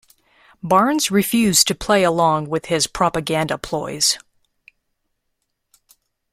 Barnes refused to play along with his propaganda ploys.